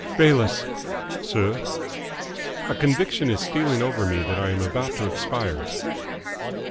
"Bayliss." "Sir?" "A conviction is stealing over me that I am about to expire."